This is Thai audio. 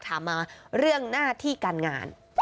ถามมาเรื่องหน้าที่การงาน